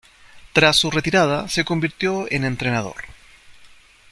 Tras su retirada se convirtió en entrenador.